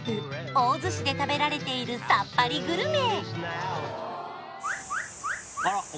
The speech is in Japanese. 大洲市で食べられているさっぱりグルメ